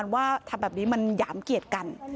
ว่าทำแบบนี้มันหยามเกียรติกัน